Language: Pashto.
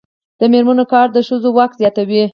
د میرمنو کار د ښځو واک زیاتوي.